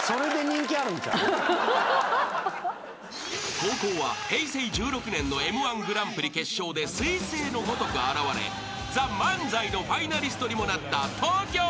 ［後攻は平成１６年のＭ−１グランプリ決勝で彗星のごとく現れＴＨＥＭＡＮＺＡＩのファイナリストにもなった］